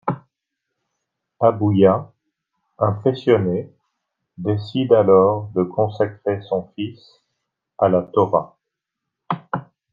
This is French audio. Abouya, impressionné, décide alors de consacrer son fils à la Torah.